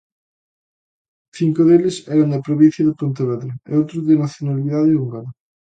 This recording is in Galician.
Cinco deles eran da provincia de Pontevedra e outro de nacionalidade húngara.